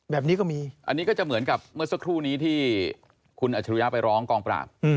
แบบนี้ก็มีอันนี้ก็จะเหมือนกับเมื่อสักครู่นี้ที่คุณอัจฉริยะไปร้องกองปราบ